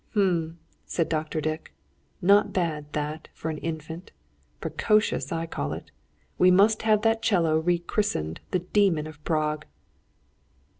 "Hum!" said Dr. Dick. "Not bad, that for an Infant! Precocious, I call it. We must have that 'cello re christened the 'Demon of Prague'!"